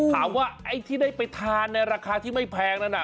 ไอ้ที่ได้ไปทานในราคาที่ไม่แพงนั้น